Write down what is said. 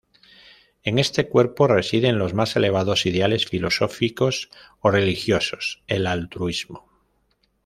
En este Cuerpo residen los más elevados ideales filosóficos o religiosos, el altruismo.